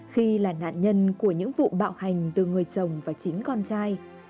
khi là nạn nhân của những vụ bạo hành từ người chồng và chính con trai